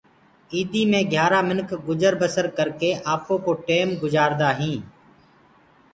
ايِدي مي گھيآرآ منک گجر بسر ڪرڪي آپوڪو ٽيم گُجآردآ هينٚ